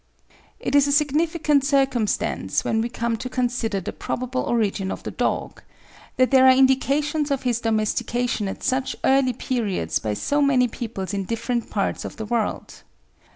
It is a significant circumstance when we come to consider the probable origin of the dog, that there are indications of his domestication at such early periods by so many peoples in different parts of the world.